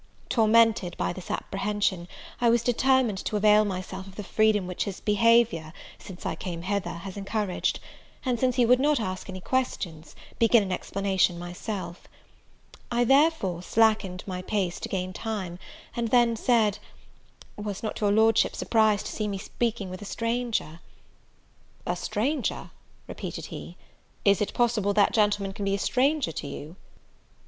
Tormented by this apprehension, I determined to avail myself of the freedom which his behaviour, since I came hither, has encouraged; and, since he would not ask any questions, begin an explanation myself. I therefore slackened my pace to gain time; and then said, "Was not your Lordship surprised to see me speaking with a stranger?" "A stranger?" repeated he; "is it possible that gentleman can be a stranger to you?"